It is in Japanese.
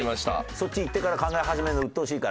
そっち行ってから考え始めるの。